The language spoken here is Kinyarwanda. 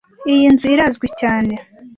Iyi nzu irazwi cyane